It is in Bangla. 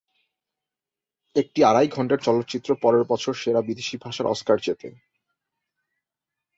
এই আড়াই ঘণ্টার চলচ্চিত্র পরের বছর সেরা বিদেশী ভাষার অস্কার জেতে।